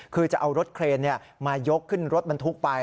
คือจะเอารถเครนมายกขึ้นรถบรรทุกไป